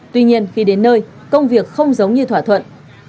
tuy nhiên khi đến nơi công việc không giống như thỏa thuận